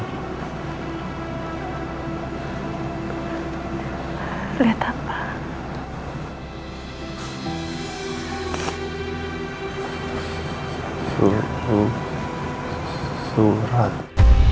masa ini kita berdua sudah berdua